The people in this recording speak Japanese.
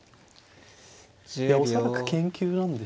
恐らく研究なんでしょうね